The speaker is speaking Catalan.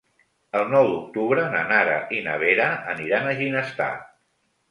El nou d'octubre na Nara i na Vera aniran a Ginestar.